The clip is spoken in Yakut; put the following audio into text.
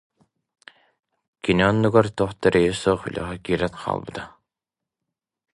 Кини оннугар туох да эрэйэ суох үлэҕэ киирэн хаалбыта